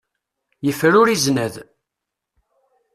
Yefruri zznad.